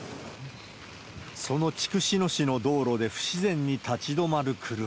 その筑紫野市の道路で不自然に立ち止まる車。